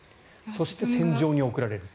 そして戦場に送られる。